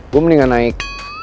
gue mendingan naik